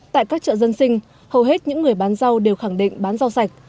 tại các chợ dân sinh hầu hết những người bán rau đều khẳng định bán rau sạch